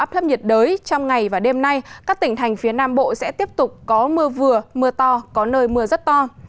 trong ngày và đêm nay các tỉnh thành phía nam bộ sẽ tiếp tục có mưa vừa mưa to có nơi mưa rất to